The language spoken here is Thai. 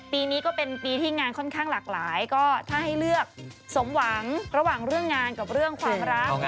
ปีนี้ก็เป็นปีที่งานค่อนข้างหลากหลายก็ถ้าให้เลือกสมหวังระหว่างเรื่องงานกับเรื่องความรัก